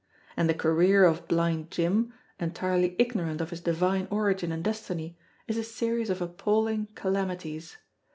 And the career of Blind Jim, entirely ignorant of his divine origin and destiny, is a series of appalling calamities.